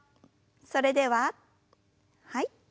それでははい。